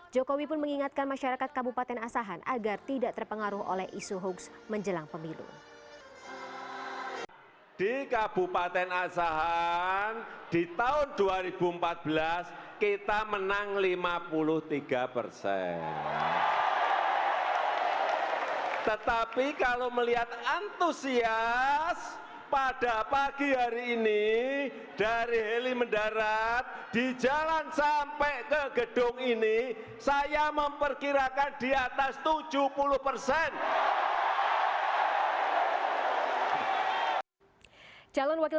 jokowi pun mengingatkan masyarakat kabupaten asahan agar tidak terpengaruh oleh isu hoaks menjelang pemilihan